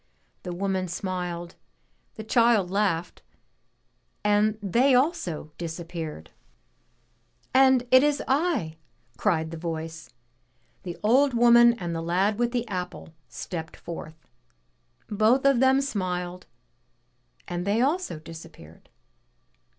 The woman if smiled, the child laughed, and they also disappeared. And it is I!" cried the voice. The old woman and the lad with the apple stepped and they also disappeared.